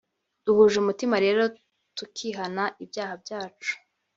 Duhuje umutima rero tukihana ibyaha byacu